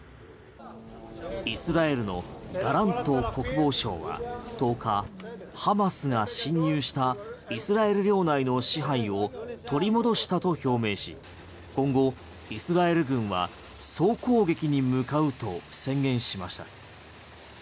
イスラエルのガラント国防相は１０日ハマスが侵入したイスラエル領内の支配を取り戻したと表明し今後、イスラエル軍は総攻撃に向かうと宣言しました。